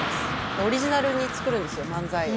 オリジナルにつくるんですよ漫才を。